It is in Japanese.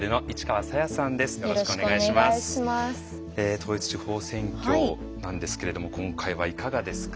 統一地方選挙なんですけれども今回はいかがですか？